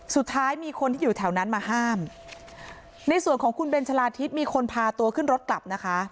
สุดท้ายมีคนที่อยู่แถวนั้นมาห้ามในส่วนของคุณเบนชะลาทิศมีคนพาตัวขึ้นรถกลับนะคะ